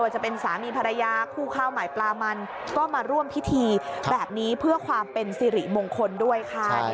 จะเป็นสามีภรรยาคู่ข้าวใหม่ปลามันก็มาร่วมพิธีแบบนี้เพื่อความเป็นสิริมงคลด้วยค่ะ